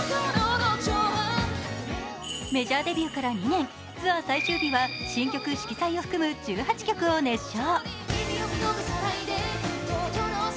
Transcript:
メジャーデビューから２年、ツアー最終日は新曲「色彩」を含む１８曲を熱唱。